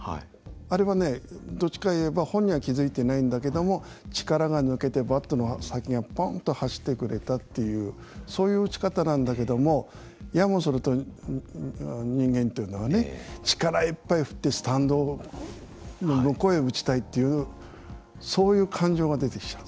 あれはねどっちかといえば本人は気付いてないんだけども力が抜けてバットの先がぽんっと走ってくれたっていうそういう打ち方なんだけどもややもすると人間っていうのはね力いっぱい振ってスタンドの向こうへ打ちたいっていうそういう感情が出てきちゃう。